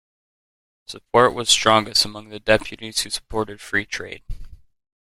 Support was strongest among the deputies who supported free trade.